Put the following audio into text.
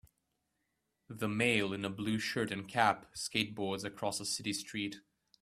The male in a blue shirt and cap skateboards across a city street.